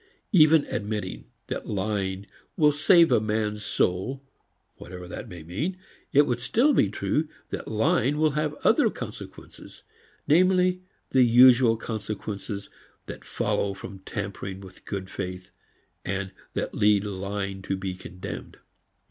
Even admitting that lying will save a man's soul, whatever that may mean, it would still be true that lying will have other consequences, namely, the usual consequences that follow from tampering with good faith and that lead lying to be condemned.